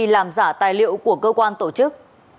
làm giả tài liệu của cơ quan tổ chức